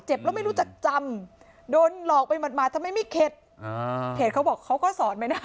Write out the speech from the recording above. เจ็บแล้วไม่รู้จะจำโดนหลอกไปมาทำไมไม่เข็ดเพจเขาบอกเขาก็สอนไปนะ